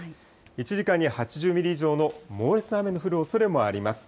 １時間に８０ミリ以上の猛烈な雨の降るおそれもあります。